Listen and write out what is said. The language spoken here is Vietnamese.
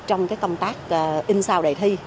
trong công tác in sao đề thi